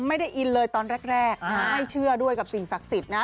ไม่ได้อินเลยตอนแรกไม่เชื่อด้วยกับสิ่งศักดิ์สิทธิ์นะ